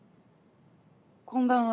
こんばんは。